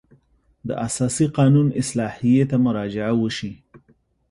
د اساسي قانون اصلاحیې ته مراجعه وشي.